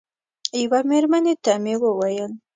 یوه مېرمنې ته مې وویل.